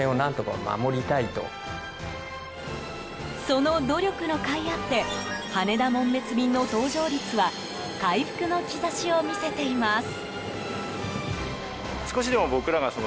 その努力の甲斐もあって羽田紋別便の搭乗率は回復の兆しを見せています。